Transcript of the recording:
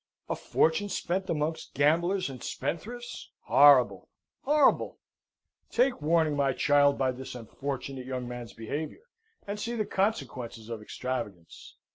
A fortune spent amongst gamblers and spendthrifts? Horrible, horrible! Take warning, my child, by this unfortunate young man's behaviour, and see the consequences of extravagance.